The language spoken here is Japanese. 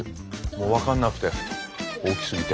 もう分かんなくて大きすぎて。